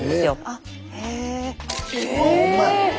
あほんまや。